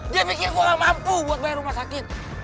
dia mikir gue gak mampu buat bayar rumah sakit